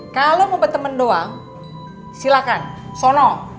kalo mau berteman doang silahkan sono